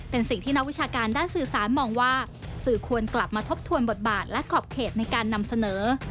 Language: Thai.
เป็นสิ่งที่นักวิชาการด้านสื่อสารมองว่าสื่อควรกลับมาทบทวนบทบาทและขอบเขตในการนำเสนอ